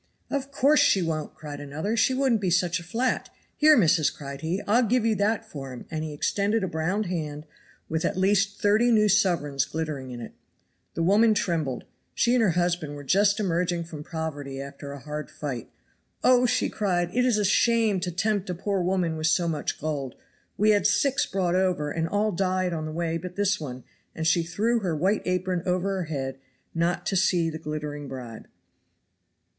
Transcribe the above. "Of course she won't," cried another, "she wouldn't be such a flat. Here, missus," cried he, "I'll give you that for him;" and he extended a brown hand with at least thirty new sovereigns glittering in it. The woman trembled; she and her husband were just emerging from poverty after a hard fight. "Oh!" she cried, "it is a shame to tempt a poor woman with so much gold. We had six brought over, and all died on the way but this one!" and she threw her white apron over her head, not to see the glittering bribe.